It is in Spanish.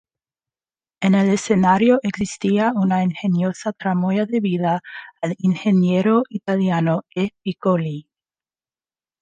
En el escenario existía una ingeniosa tramoya debida al ingeniero italiano E. Piccoli.